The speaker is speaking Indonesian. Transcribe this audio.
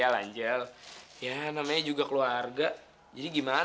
bagus deh kalo kamu udah bisa terima kenyataan